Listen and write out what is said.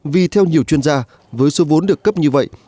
vì theo nhiều chuyên gia với số vốn được cấp như vậy